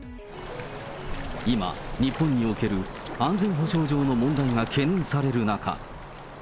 今、日本における安全保障上の問題が懸念される中。